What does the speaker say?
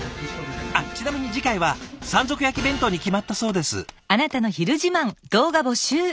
あっちなみに次回は山賊焼き弁当に決まったそうです。